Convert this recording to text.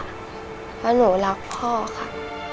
เพราะหนูรักพ่อค่ะ